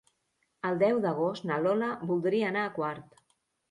El deu d'agost na Lola voldria anar a Quart.